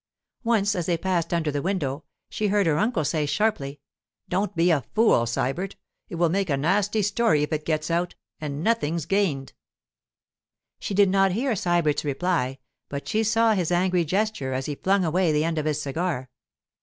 Once, as they passed under the window, she heard her uncle say sharply: 'Don't be a fool, Sybert. It will make a nasty story if it gets out—and nothing's gained.' She did not hear Sybert's reply, but she saw his angry gesture as he flung away the end of his cigar.